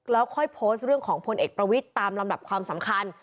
แล้วค่อยโพสต์เรื่องของพลเอกประวิทย์ตามลำดับความสำคัญ